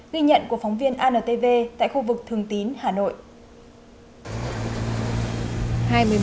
ghi nhận của phóng viên antv tại khu vực thường tín hà nội